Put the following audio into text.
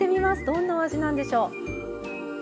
どんなお味なんでしょう。